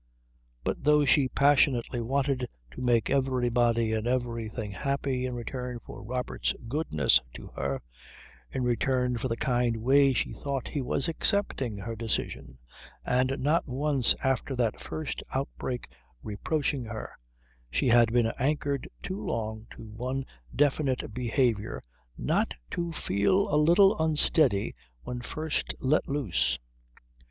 But though she passionately wanted to make everybody and everything happy in return for Robert's goodness to her, in return for the kind way she thought he was accepting her decision and not once after that first outbreak reproaching her, she had been anchored too long to one definite behaviour not to feel a little unsteady when first let loose.